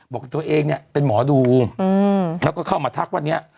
บอกตัวเองเนี่ยเป็นหมอดูแล้วก็เข้ามาทักวันนี้